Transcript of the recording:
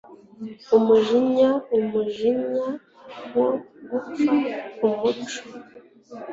Umujinya umujinya wo gupfa kumucyo